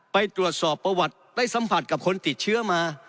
ไปตรวจสอบประวัติได้สัมผัสกับคนติดเชื้อมา